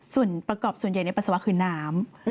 ส่วนประกอบส่วนใหญ่ในปัสสาวะคือน้ำ